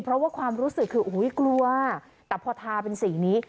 เพราะว่าความรู้สึกคือกลัวแต่พอทาเป็นสีนี้